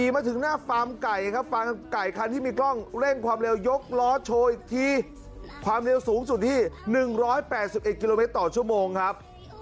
ไปต่อชั่วโมงครับ